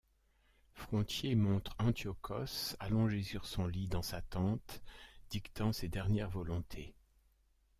Frontier montre Antiochos allongé sur son lit dans sa tente, dictant ses dernières volontés.